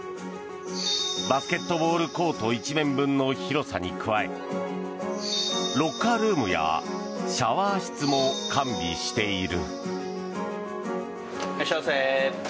バスケットボールコート１面分の広さに加えロッカールームやシャワー室も完備している。